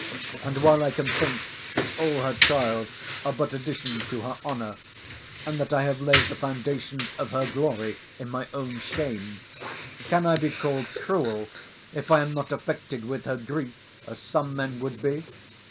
And while I can think that all her trials are but additions to her honour, and that I have laid the foundations of her glory in my own shame, can I be called cruel, if I am not affected with her grief as some men would be?